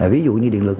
ví dụ như điện lực